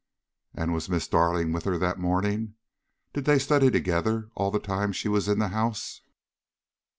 "And was Miss Darling with her that morning? Did they study together all the time she was in the house?"